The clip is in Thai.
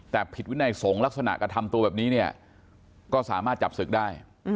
แต่ผิดวินัยสงฆ์ลักษณะกระทำตัวแบบนี้เนี่ยก็สามารถจับศึกได้